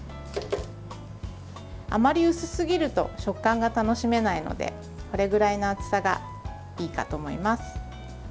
あまり薄すぎると食感が楽しめないのでこれくらいの厚さがいいかと思います。